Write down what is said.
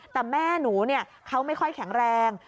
แต่แม่หนูเขาไม่ค่อยแข็งแรง